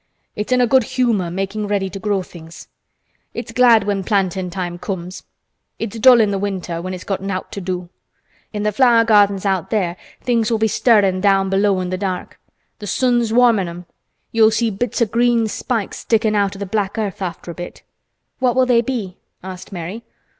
"It's in a good humor makin' ready to grow things. It's glad when plantin' time comes. It's dull in th' winter when it's got nowt to do. In th' flower gardens out there things will be stirrin' down below in th' dark. Th' sun's warmin' 'em. You'll see bits o' green spikes stickin' out o' th' black earth after a bit." "What will they be?" asked Mary.